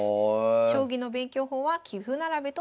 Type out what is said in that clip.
将棋の勉強法は棋譜並べと詰将棋。